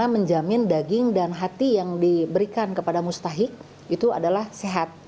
menjamin daging dan hati yang diberikan kepada mustahik itu adalah sehat